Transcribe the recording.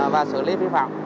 và xử lý phi phạm